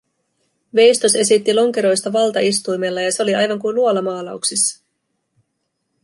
Veistos esitti lonkeroista valtaistuimella ja se oli aivan kuin luolamaalauksissa.